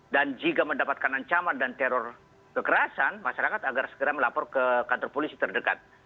dan jika mendapatkan ancaman dan teror kekerasan masyarakat agar segera melapor ke kantor polisi terdekat